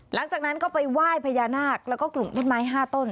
หลังจากนั้นก็ไปไหว้พญานาคแล้วก็กลุ่มต้นไม้๕ต้น